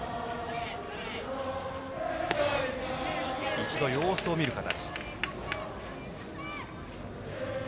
一度様子を見る形。